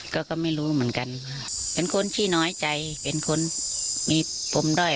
ก็ก็ไม่รู้เหมือนกันเป็นคนที่น้อยใจเป็นคนที่มีโปร่มด้อย